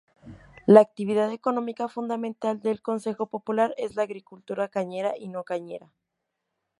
La actividad económica fundamental del Consejo Popular es la agricultura cañera y no cañera.